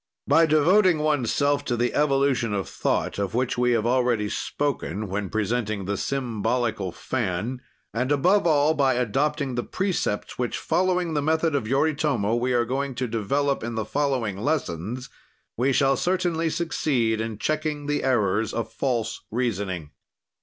By devoting oneself to the evolution of thought, of which we have already spoken when presenting the symbolical fan, and above all, by adopting the precepts which, following the method of Yoritomo, we are going to develop in the following lessons, we shall certainly succeed in checking the errors of false reasoning.